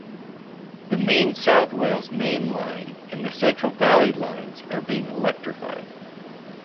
The main South Wales Main Line and the central Valley Lines are being electrified.